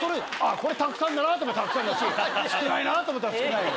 これたくさんだなぁと思えばたくさんだし少ないなぁと思ったら少ない。